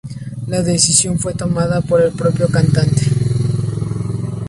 La decisión fue tomada por el propio cantante.